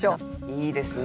いいですね。